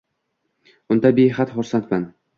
-Unda behad hursandman.